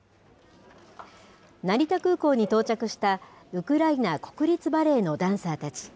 成田空港に到着した、ウクライナ国立バレエのダンサーたち。